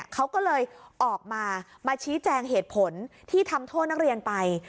เขาก็เลยออกมามาชี้แจงเหตุผลที่ทำโทษนักเรียนไป